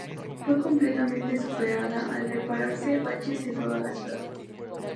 Fue completamente superada al repararse baches en toda la ciudad.